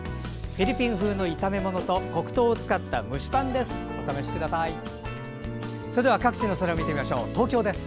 フィリピン風の炒め物と黒糖を使った蒸しパンです。